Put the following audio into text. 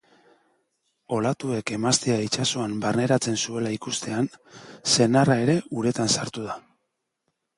Olatuek emaztea itsasoan barneratzen zuela ikustean, senarra ere uretan sartu da.